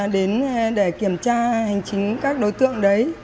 đến để kiểm tra hành chính các đối tượng đấy